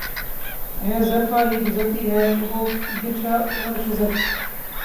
بے صرفہ ہی گزرتی ہے ہو گرچہ عمر خضر